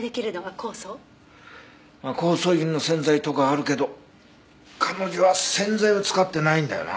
酵素入りの洗剤とかあるけど彼女は洗剤は使ってないんだよなあ。